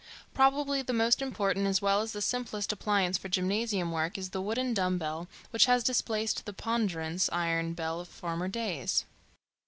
Probably the most important as well as the simplest appliance for gymnasium work is the wooden dumbbell, which has displaced the ponderous iron bell of former days.